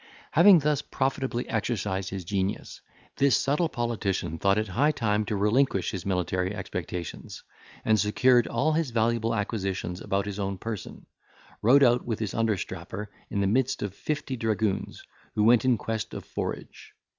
Having thus profitably exercised his genius, this subtle politician thought it high time to relinquish his military expectations, and securing all his valuable acquisitions about his own person, rode out with his understrapper, in the midst of fifty dragoons, who went in quest of forage.